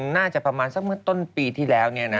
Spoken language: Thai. นานาจะประมาณต้นปีที่แล้ว